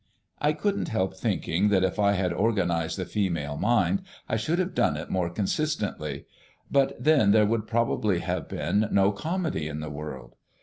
I couldn't help thinking that if I had organised the female mind I should have done it more consistently; but then there would probably have been no comedy in the world.